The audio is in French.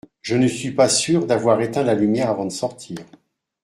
Je ne suis pas sûr d’avoir éteint la lumière avant de sortir.